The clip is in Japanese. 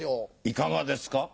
いかがですか？